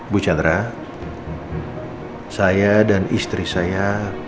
bu chandra saya dan istri saya